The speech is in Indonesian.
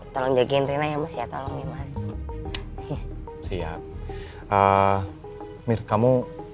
tolong jagain rina ya mas ya tolong nih mas siap mir kamu